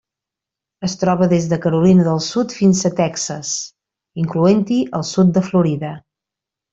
Es troba des de Carolina del Sud fins a Texas, incloent-hi el sud de Florida.